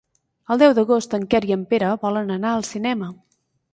El deu d'agost en Quer i en Pere volen anar al cinema.